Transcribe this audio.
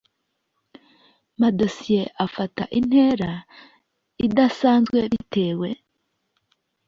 madosiye afata intera idasanzwe bitewe